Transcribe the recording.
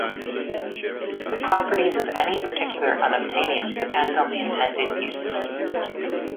The properties of any particular unobtainium depend on the intended use.